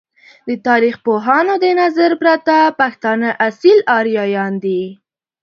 د تاریخ پوهانو د نظر پرته ، پښتانه اصیل آریایان دی!